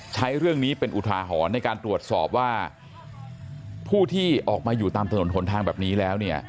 ใช้เรื่องนี้เป็นอุทาหรณ์ในการตรวจสอบว่าผู้ที่ออกมาอยู่ตามถนนหนทางแบบนี้แล้วเนี่ย